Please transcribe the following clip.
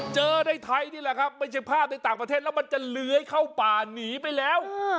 ในไทยนี่แหละครับไม่ใช่ภาพในต่างประเทศแล้วมันจะเลื้อยเข้าป่าหนีไปแล้ว